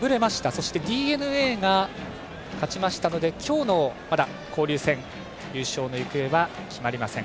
そしてＤｅＮＡが勝ちましたので今日の交流戦優勝の行方は決まりません。